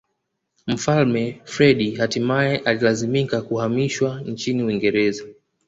Mfalme Freddie hatimae alilazimika kuhamishwa nchini Uingereza